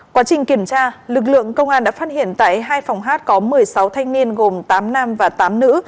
quá trình kiểm tra lực lượng công an đã phát hiện tại hai phòng hát có một mươi sáu thanh niên gồm tám nam và tám nữ